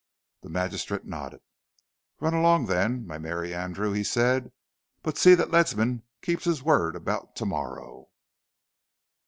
The magistrate nodded. "Run along, then, my merry Andrew," he said, "but see that Ledsam keeps his word about to morrow."